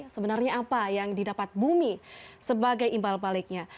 sebenarnya apa yang didapat bumi sebagai impal paliknya